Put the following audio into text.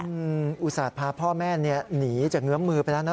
คุณอุศาจพาพ่อแม่เนี่ยหนีจากเงื้อมมือไปแล้วนะ